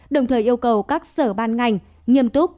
đồng thời yêu cầu các sở ban ngành nghiêm túc